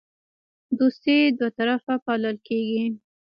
دوستي دوطرفه پالل کیږي